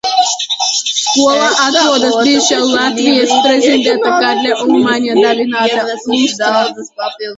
Skolā atrodas bijušā Latvijas prezidenta Kārļa Ulmaņa dāvināta lustra.